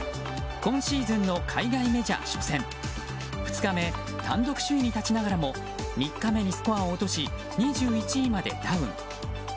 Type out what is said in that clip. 今シーズンの海外メジャー初戦２日目、単独首位に立ちながらも３日目にスコアを落とし２１位までダウン。